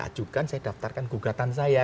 ajukan saya daftarkan gugatan saya